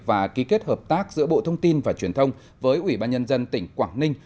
và ký kết hợp tác giữa bộ thông tin và truyền thông với ủy ban nhân dân tỉnh quảng ninh